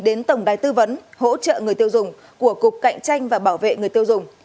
đến tổng đài tư vấn hỗ trợ người tiêu dùng của cục cạnh tranh và bảo vệ người tiêu dùng